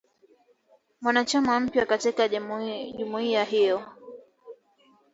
mwanachama mpya katika jumuiya hiyo